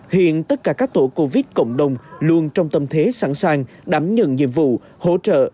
hiện tất cả các tổ covid cộng đồng luôn trong tâm thế sẵn sàng đảm nhận nhiệm vụ hỗ trợ